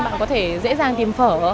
bạn có thể dễ dàng tìm phở